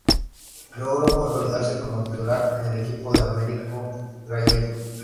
Logró consolidarse como titular en el equipo de Americo Gallego.